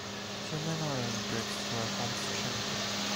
Two men are laying bricks for a home 's chimney.